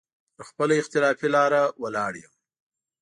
پر خپله اختلافي لاره ولاړ يم.